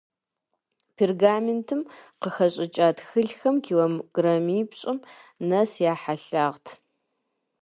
Пергаментым къыхэщӏыкӏа тхылъхэм килограммипщӏым нэс я хьэлъагът.